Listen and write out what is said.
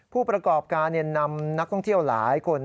ผู้ประกอบการนำนักท่องเที่ยวหลายคน